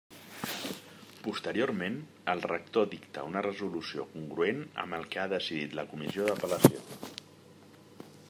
Posteriorment, el rector dicta una resolució congruent amb el que ha decidit la Comissió d'Apel·lació.